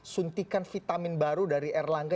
suntikan vitamin baru dari erlangga